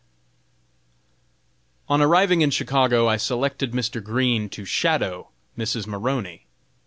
_ On arriving in Chicago I selected Mr. Green to "shadow" Mrs. Maroney.